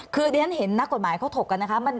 คือดิฉันเห็นนักกฎหมายเขาถกกันนะคะ